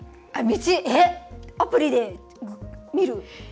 道、アプリで見る。